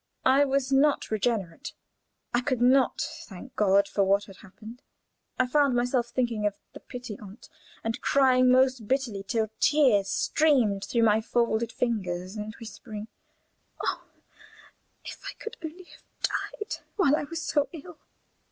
I was not regenerate. I could not thank God for what had happened. I found myself thinking of "the pity on't," and crying most bitterly till tears streamed through my folded fingers, and whispering, "Oh, if I could only have died while I was so ill!